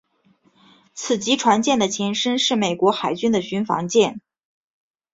此级船舰的前身是美国海军的巡防舰。